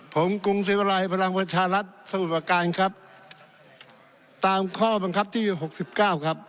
ผมกรุงศิษยาลัยภรรณวัชฌาลัดสวุตปกรณ์ครับตามข้อบังคับที่หกสิบเก้าครับ